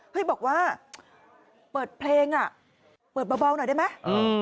บอกว่าเปิดเพลงอ่ะเปิดเบาหน่อยได้ไหม